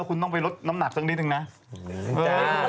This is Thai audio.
โอลี่คัมรี่ยากที่ใครจะตามทันโอลี่คัมรี่ยากที่ใครจะตามทัน